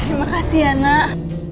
terima kasih ya nak